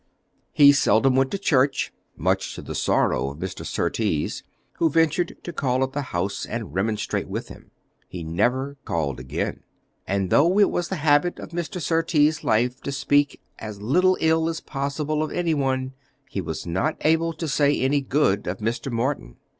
He seldom went to church, much to the sorrow of Mr. Surtees, who ventured to call at the house and remonstrate with him. He never called again. And though it was the habit of Mr. Surtees' life to speak as little ill as possible of any one, he was not able to say any good of Mr. Morton.